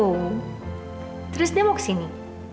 oh terus dia mau kesini